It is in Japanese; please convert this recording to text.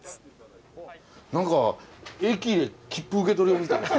何か駅で切符受け取るみたい。